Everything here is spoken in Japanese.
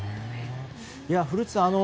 古内さん